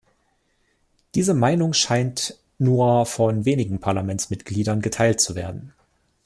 Diese Meinung scheint nur von wenigen Parlamentsmitgliedern geteilt zu werden.